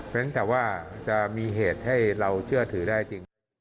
เพราะฉะนั้นแต่ว่าจะมีเหตุให้เราเชื่อถือได้จริง